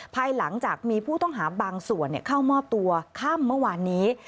ภายหลังจากมีผู้ต้องหาบางส่วนเข้ามอบตัวค่ำเมื่อวานนี้